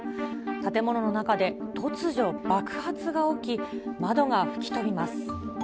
建物の中で突如爆発が起き、窓が吹き飛びます。